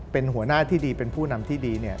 เป็นหัวหน้าที่ดีเป็นผู้นำที่ดีเนี่ย